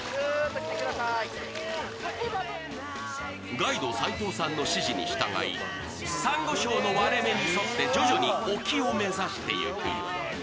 ガイド・齊藤さんの指示に従い、さんご礁の割れ目に沿って徐々に沖を目指していく。